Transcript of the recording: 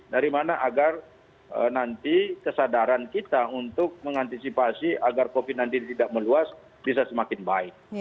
dari mana agar nanti kesadaran kita untuk mengantisipasi agar covid sembilan belas tidak meluas bisa semakin baik